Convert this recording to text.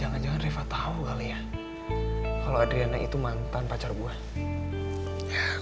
jangan jangan reva tau kali ya kalau adriana itu mantan pacar gue